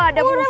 udah udah udah